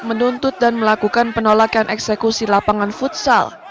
menuntut dan melakukan penolakan eksekusi lapangan futsal